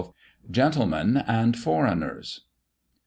XII. Gentlemen and Foreigners.